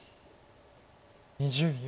２０秒。